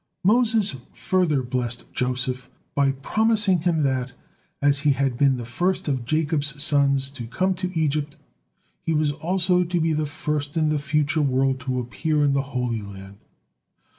Moses furthermore blessed Joseph by promising him that, as he had been the first of Jacob's sons to come to Egypt, he was also to be the first in the future world to appear in the Holy Land.